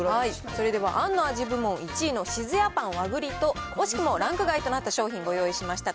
それではあんの味部門１位のシズヤパンワグリと、惜しくもランク外となった商品ご用意しました。